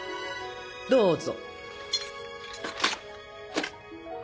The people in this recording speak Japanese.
どうぞ。